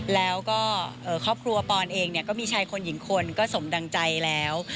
แล้วก็ครอบครัวปอนเองก็มีชายคนหญิงคนก็สมดังใจแล้ว